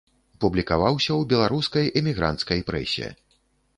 Публікаваўся ў беларускай эмігранцкай прэсе.